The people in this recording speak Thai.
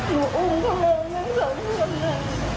นูอุ้งเขาเลยกัน๒คน